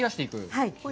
はい。